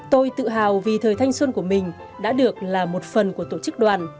tôi tự hào vì thời thanh xuân của mình đã được là một phần của tổ chức đoàn